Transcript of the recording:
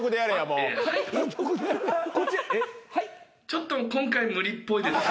ちょっと今回無理っぽいです。